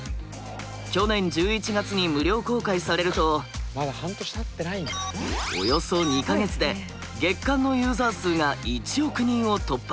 去年１１月に無料公開されるとおよそ２か月で月間のユーザー数が１億人を突破！